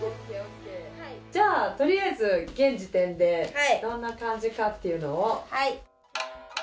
じゃあとりあえず現時点でどんな感じかっていうのを。